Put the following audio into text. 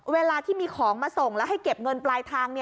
เวลาที่มีของมาส่งแล้วให้เก็บเงินปลายทาง